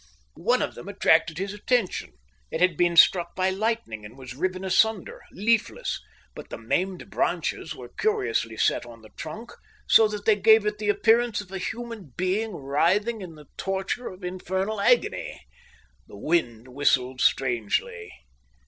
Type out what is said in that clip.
One of them attracted his attention. It had been struck by lightning and was riven asunder, leafless; but the maimed branches were curiously set on the trunk so that they gave it the appearance of a human being writhing in the torture of infernal agony. The wind whistled strangely.